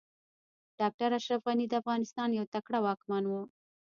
ډاکټر اشرف غني د افغانستان يو تکړه واکمن و